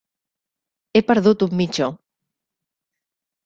He perdut un mitjó.